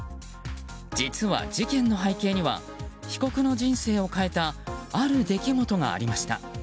実は、事件の背景には被告の人生を変えたある出来事がありました。